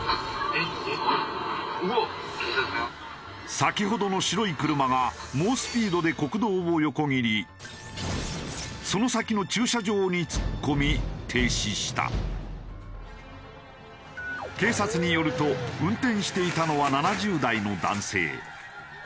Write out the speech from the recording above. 先ほどの白い車が猛スピードで国道を横切りその先の警察によると運転していたのは７０代の男性。